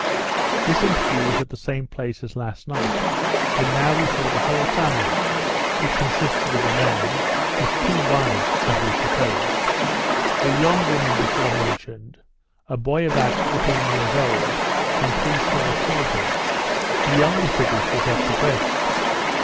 This interview was at the same place as last night; and now we saw the whole family, it consisted of the man, his two wives (as we supposed), the young woman before mentioned, a boy about fourteen years old, and three small children, the youngest of which was at the breast.